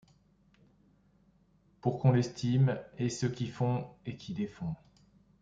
Pour qu'on l'estime ; et ceux qui font et qui défont